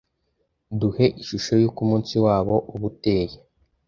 Duhe ishusho y’uko umunsi wabo uba uteye